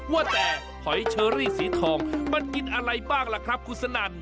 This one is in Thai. ว่าแต่หอยเชอรี่สีทองมันกินอะไรบ้างล่ะครับคุณสนั่น